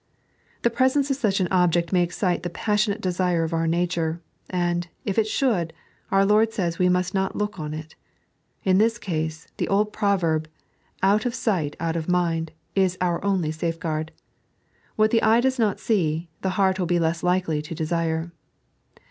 The presence of such an object may excite the passionate desire of our nature ; and, if it should, our Lord says we must not look on it. In this case, the old proverb, " Out of sight, out of mind," is our only safeguard. What the eye does not see, the heart will be less likely to desire.